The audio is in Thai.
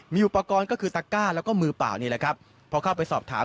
มีรูปกรณ์ก็คือตั๊กก้าแล้วก็มือเปล่านี้พอเข้าไปสอบถาม